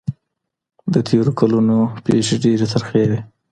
د تېرو کلونو پېښې ډېرې ترخې وې.